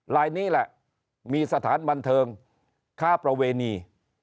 ลายนี้แหละมีสถานบันเทิงค้าประเวณี